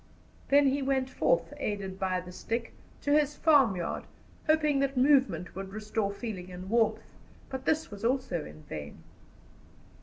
Then he went forth, aided by the stick, to his farmyard, hoping that movement would restore feeling and warmth; but this also was in vain.